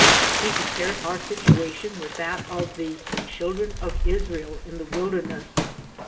He compared our situation with that of ''The Children of Israel" in the wilderness.